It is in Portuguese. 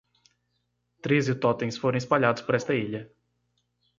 Treze totens foram espalhados por esta ilha.